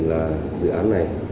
là dự án này